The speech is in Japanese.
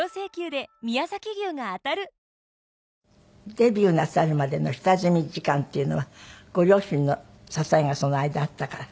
デビューなさるまでの下積み期間っていうのはご両親の支えがその間あったから？